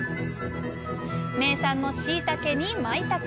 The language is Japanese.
名産のしいたけにまいたけ。